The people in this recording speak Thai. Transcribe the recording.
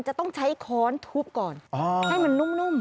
จะต้องใช้ค้อนทุบก่อนให้มันนุ่ม